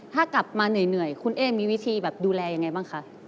ถ้ากลับมาเหนื่อยคุณเอ๊มีวิธีแบบดูแลยังไงบ้างคะ